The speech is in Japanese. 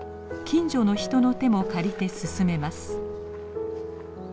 近所の人の手も借りて進めます。